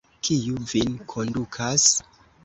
Kiu vin kondukas?